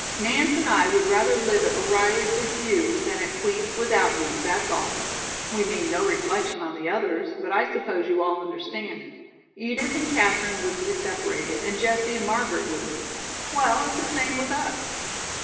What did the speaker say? "Nance and I would rather live at O'Reilly's with you than at Queen's without you, that's all. We mean no reflection on the others, but I suppose you all understand. Edith and Katherine wouldn't be separated, and Jessie and Margaret wouldn't. Well, it's the same with us."